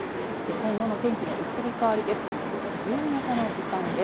今後の天気の移り変わりです。